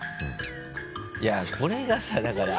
いやこれがさだから。